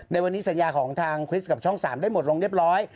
ในวันนี้สัญญาของทางคริสต์กับช่อง๓ได้หมดลงเรียบร้อย